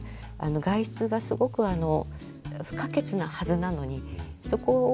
外出がすごく不可欠なはずなのにそこをどうするかがない。